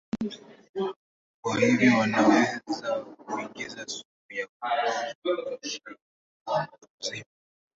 Kwa hivyo wanaweza kuingiza sumu ya kutosha kuua mtu mzima.